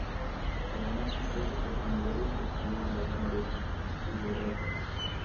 Además, en tres oportunidades, recibió la Orden de Suvórov.